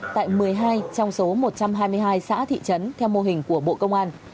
tại một mươi hai trong số một trăm hai mươi hai xã thị trấn theo mô hình của bộ công an